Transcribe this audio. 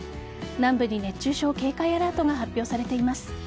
南部に熱中症警戒アラートが発表されています。